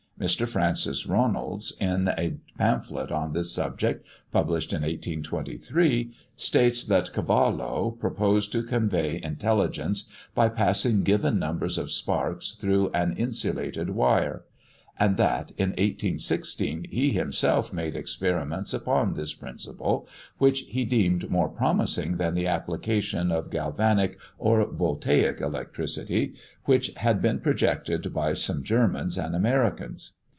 Mr. Francis Ronalds, in a pamphlet on this subject, published in 1823, states that Cavallo proposed to convey intelligence by passing given numbers of sparks through an insulated wire; and that, in 1816, he himself made experiments upon this principle, which he deemed more promising than the application of galvanic or voltaic electricity, which had been projected by some Germans and Americans.